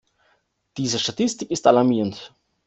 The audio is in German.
Diese Statistik ist alarmierend.